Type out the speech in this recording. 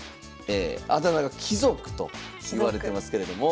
あだ名が「貴族」といわれてますけれども。